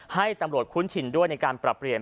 ให้ตำรวจคุ้นชินด้วยในการปรับเปลี่ยน